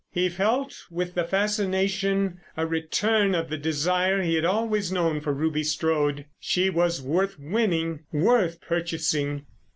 He felt with the fascination a return of the desire he had always known for Ruby Strode. She was worth winning—worth purchasing.